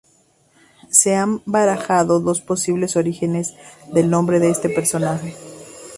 Se han barajado dos posibles orígenes del nombre de este personaje.